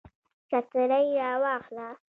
چترۍ را واخله